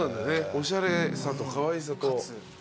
おしゃれさとかわいさと。